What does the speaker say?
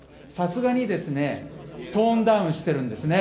明らかにトーンダウンしているんですね。